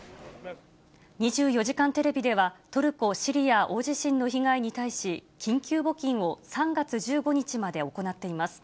２４時間テレビでは、トルコ・シリア大地震の被害に対し、緊急募金を３月１５日まで行っています。